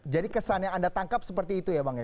jadi kesan yang anda tangkap seperti itu ya bang ya